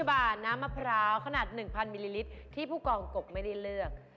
บาทน้ำมะพร้าวขนาด๑๐๐มิลลิลิตรที่ผู้กองกบไม่ได้เลือก